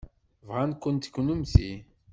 Bɣan-kent kennemti.